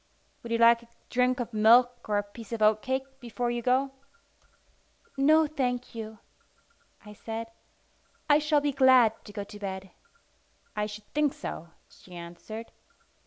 "Would you like a drink of milk or a piece of oatcake before you go?" "No, thank you," I said. "I shall be glad to go to bed." "I should think so," she answered.